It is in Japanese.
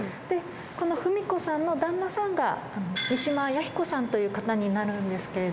この文子さんの旦那さんが三島彌彦さんという方になるんですけれども。